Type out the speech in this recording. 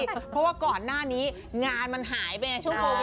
เพราะว่าก่อนหน้านี้งานมันหายไปช่วงโปรวินทร์